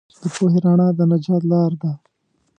د پوهې رڼا د نجات لار ده.